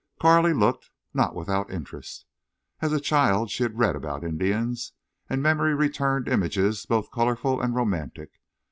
Carley looked, not without interest. As a child she had read about Indians, and memory returned images both colorful and romantic.